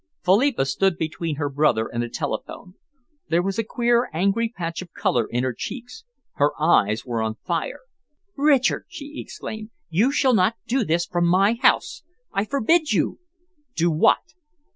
Philippa stood between her brother and the telephone. There was a queer, angry patch of colour in her cheeks. Her eyes were on fire. "Richard," she exclaimed, "you shall not do this from my house! I forbid you!" "Do what?"